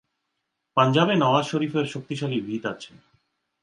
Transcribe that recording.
পাঞ্জাবে নওয়াজ শরিফের শক্তিশালী ভিত আছে।